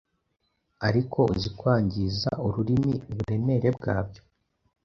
ariko uzi kwangiza ururimi uburemere bwabyo,